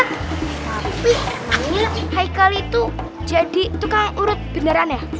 tapi ini haikal itu jadi tukang urut beneran ya